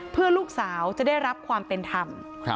เพื่อลูกสาวจะได้รับความเป็นธรรม